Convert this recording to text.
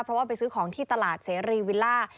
เพราะว่าไปซื้อของที่ตลาดเสรีวิลล่า